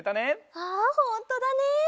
あほんとだね！